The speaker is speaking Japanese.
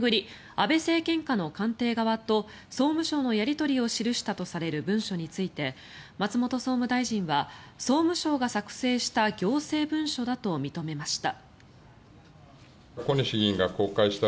安倍政権下の官邸側と総務省のやり取りを記したとされる文書について松本総務大臣は総務省が作成した行政文書だと認めました。